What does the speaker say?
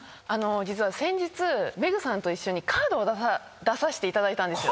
実は先日メグさんと一緒にカードを出させていただいたんですよ。